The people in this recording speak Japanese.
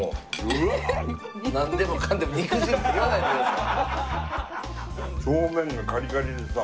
なんでもかんでも肉汁って言わないでください。